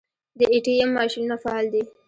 د ای ټي ایم ماشینونه فعال دي؟